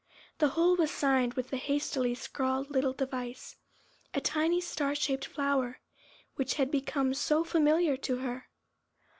The whole was signed with the hastily scrawled little device—a tiny star shaped flower, which had become so familiar to her.